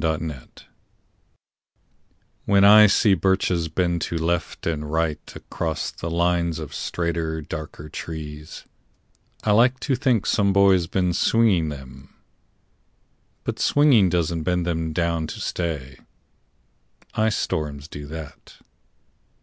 BIRCHES When I see birches bend to left and right Across the lines of straighter darker trees, I like to think some boy's been swinging them. But swinging doesn't bend them down to stay. Ice storms do that.